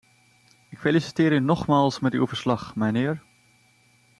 Ik feliciteer u nogmaals met uw verslag, mijnheer.